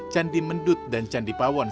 candi mendut dan candi pawon